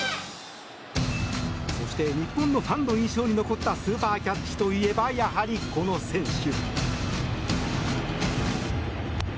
そして日本のファンの印象に残ったスーパーキャッチといえばやはり、この選手。